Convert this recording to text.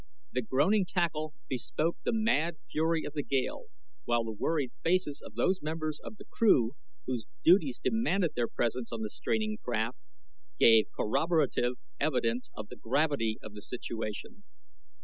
The groaning tackle bespoke the mad fury of the gale, while the worried faces of those members of the crew whose duties demanded their presence on the straining craft gave corroborative evidence of the gravity of the situation.